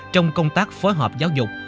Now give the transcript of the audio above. trong công tác phối hợp giáo dục